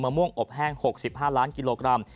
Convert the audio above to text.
ม่วงอบแห้ง๖๕ล้านกิโลกรัม